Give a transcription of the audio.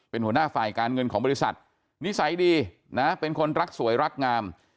เป็นหัวหน้าฝ่ายการเงินของบริษัทนิสัยดีนะเป็นคนรักสวยรักงาม